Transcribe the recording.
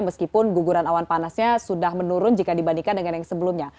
meskipun guguran awan panasnya sudah menurun jika dibandingkan dengan yang sebelumnya